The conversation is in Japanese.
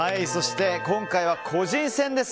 今回は、個人戦です。